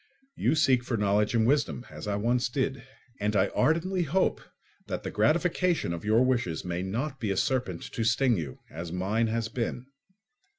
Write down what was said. You seek for knowledge and wisdom, as I once did; and I ardently hope that the gratification of your wishes may not be a serpent to sting you, as mine has been.